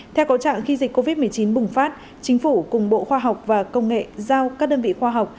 theo có trạng khi dịch covid một mươi chín bùng phát chính phủ cùng bộ khoa học và công nghệ giao các đơn vị khoa học